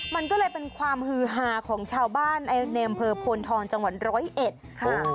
มันก็เลยเป็นความฮือหาของชาวบ้านในอำเภอพวนทรจังหวัน๑๐๑ค่ะ